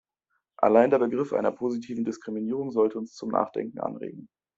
Allein der Begriff einer positiven Diskriminierung sollte uns zum Nachdenken anregen.